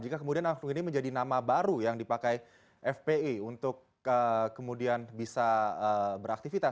jika kemudian angklung ini menjadi nama baru yang dipakai fpi untuk kemudian bisa beraktivitas